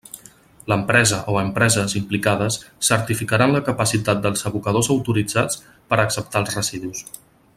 L'empresa o empreses implicades certificaran la capacitat dels abocadors autoritzats per a acceptar els residus.